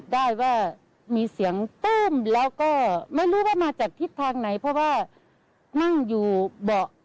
เดี๋ยวลองฟังดูค่ะ